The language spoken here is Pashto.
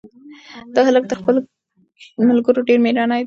دا هلک تر خپلو ملګرو ډېر مېړنی دی.